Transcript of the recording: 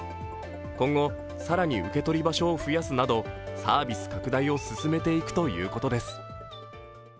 今後更に受け取り場所を増やすなどサービス拡大を進めていくということです。